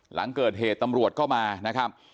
หลังเกิดเหตุตำรวจก็มานะครับ